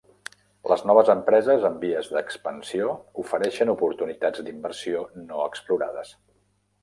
Les noves empreses en vies d'expansió ofereixen oportunitats d'inversió no explorades.